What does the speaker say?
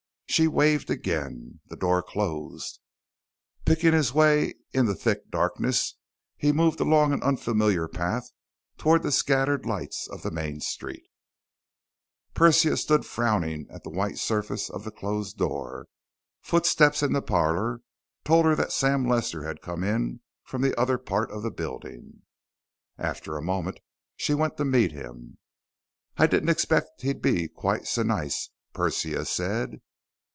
She waved again. The door closed. Picking his way in the thick darkness, he moved along an unfamiliar path toward the scattered lights of the main street. Persia stood frowning at the white surface of the closed door. Footsteps in the parlor told her that Sam Lester had come in from the other part of the building. After a moment, she went to meet him. "I didn't expect he'd be quite so ... nice," Persia said.